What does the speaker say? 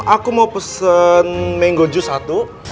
aku mau pesen mango juice satu